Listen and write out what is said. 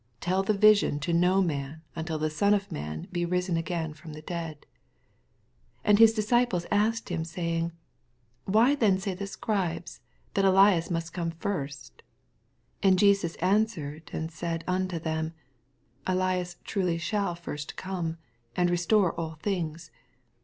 Tell the vision to no man, unti\ the Son of man be risen again from the dead. 10 And his disciples asked him, saying, Why then say the Scribes that ETias must first come 9 11 And Jesus answered and said unto them, Elias truly shall first oome, and restore all things.